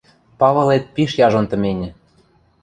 – Павылет пиш яжон тыменьӹ.